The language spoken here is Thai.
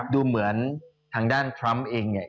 ดูเหมือนทางด้านทรัมป์เองเนี่ย